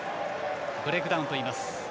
ブレイクダウンといいます。